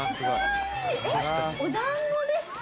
お団子ですか。